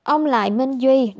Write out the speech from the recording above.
ông lại minh duy đại diện khánh hòa